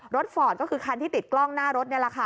ฟอร์ดก็คือคันที่ติดกล้องหน้ารถนี่แหละค่ะ